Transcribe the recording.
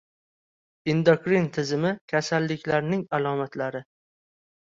Endokrin tizimi kasalliklarining alomatlari